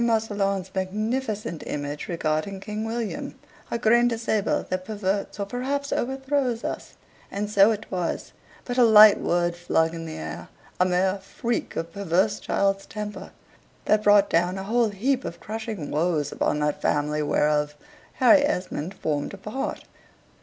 Massillon's magnificent image regarding King William, a grain de sable that perverts or perhaps overthrows us; and so it was but a light word flung in the air, a mere freak of perverse child's temper, that brought down a whole heap of crushing woes upon that family whereof Harry Esmond formed a part.